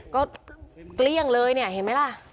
ก็เกลี้ยงเลยเนี่ยเห็นไหมล่ะ